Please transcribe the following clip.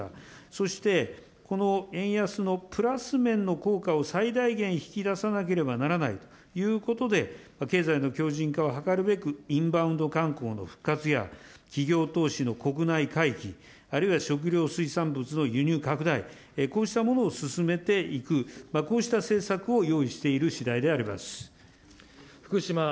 そしてこの円安のプラス面の効果を、最大限引き出さなければならないということで、経済の強じん化を図るべく、インバウンド観光の復活や、企業投資の国内回帰、あるいは食料水産物の輸入拡大、こうしたものを進めていく、こうした政策を用意しているしだいであります。